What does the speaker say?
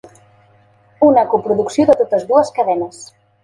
Una coproducció de totes dues cadenes.